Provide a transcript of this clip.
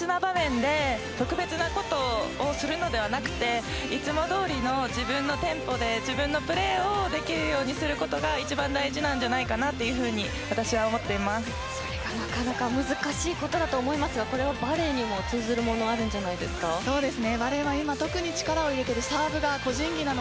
やっぱり、大切な場面で特別なことをするのではなくていつもどおりの自分のテンポで自分のプレーをできるようにすることが一番大事なんじゃないかというふうにそれはなかなか難しいことだと思いますがこれバレーに通じるものが帰って寝るだけだよ